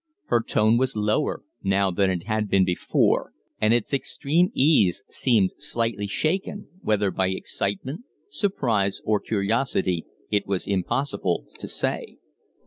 Her tone was lower now than it had been before, and its extreme ease seemed slightly shaken whether by excitement, surprise, or curiosity, it was impossible to say.